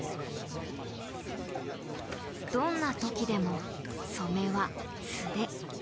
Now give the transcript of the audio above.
どんな時でも染めは「素手」。